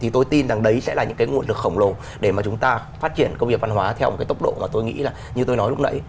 tôi nghĩ là như tôi nói lúc nãy